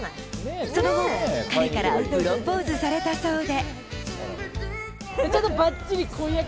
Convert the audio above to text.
その後、彼からプロポーズされたそうで。